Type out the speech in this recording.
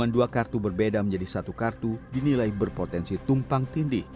dua kartu berbeda menjadi satu kartu dinilai berpotensi tumpang tindih